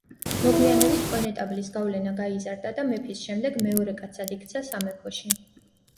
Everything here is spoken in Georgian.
მოგვიანებით კონეტაბლის გავლენა გაიზარდა და მეფის შემდეგ მეორე კაცად იქცა სამეფოში.